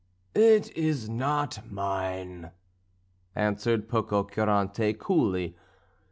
"It is not mine," answered Pococurante coolly.